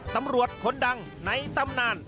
ตำรวจคนดังในตำนาน